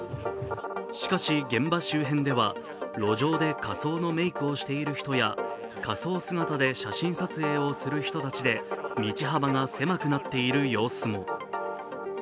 しかし現場周辺では路上で仮装のメークをしている人や仮装姿で写真撮影をする人たちで道幅が狭くなっている様子も。